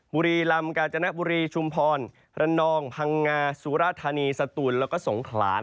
บุรีลำกาญจนบุรีชุมพรระนองพังงาสุรธานีสตูนแล้วก็สงขลาน